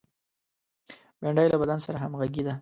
بېنډۍ له بدن سره همغږې ده